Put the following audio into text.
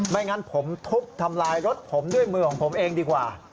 งั้นผมทุบทำลายรถผมด้วยมือของผมเองดีกว่า